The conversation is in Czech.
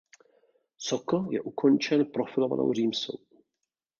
Sokl je ukončen profilovanou římsou.